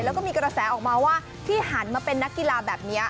แล้วก็มีกระแสออกมาว่าที่หันมาเป็นนักกีฬาแบบนี้